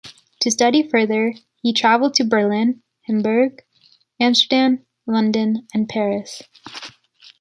To study further he travelled to Berlin, Hamburg, Amsterdam, London and Paris.